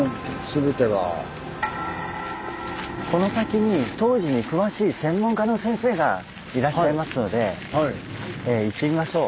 この先に東寺に詳しい専門家の先生がいらっしゃいますので行ってみましょう。